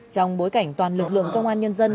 trong bối cảnh toàn lực lượng công an nhân dân